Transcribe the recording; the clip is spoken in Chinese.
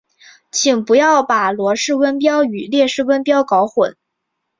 请不要把罗氏温标与列氏温标搞混。